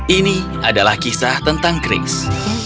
ini adalah kisah tentang kris